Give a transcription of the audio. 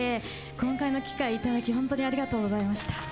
今回機会いただき本当にありがとうございました。